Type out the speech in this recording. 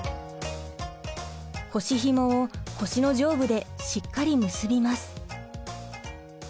腰ひもを腰の上部でしっかり結びます。